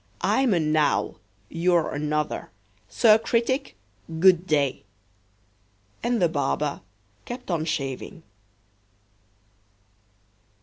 I'm an owl; you're another. Sir Critic, good day!" And the barber kept on shaving.